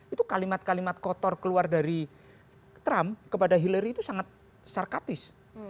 itu kalimat kalimat kotor keluar dari trump kepada hillary itu sangat sarkatis